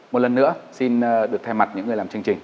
một lần nữa xin được thay mặt những người làm chương trình